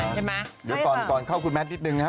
ใช่ไหมเดี๋ยวก่อนเข้าคุณแมทนิดนึงนะครับ